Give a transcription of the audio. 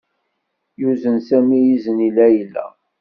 Yuzen Sami izen i Layla.